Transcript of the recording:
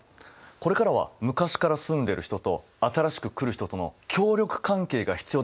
これからは昔から住んでる人と新しく来る人との協力関係が必要だなと感じた。